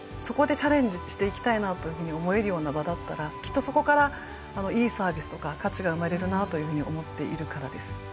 そこでチャレンジしていきたいなというふうに思えるような場だったらきっとそこからいいサービスとか価値が生まれるなというふうに思っているからです。